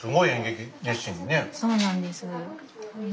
そうなんです。